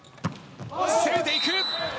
攻めていく。